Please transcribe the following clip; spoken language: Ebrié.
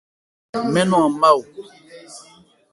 Mɛ́n nɔn an má o.